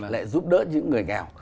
lại giúp đỡ những người nghèo